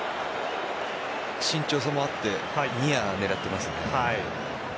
身長差もあってニアを狙ってますね。